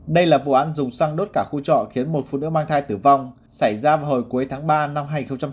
đây là vụ án dùng xăng đốt cả khu trọ khiến một phụ nữ mang thai tử vong xảy ra vào hồi cuối tháng ba năm hai nghìn hai mươi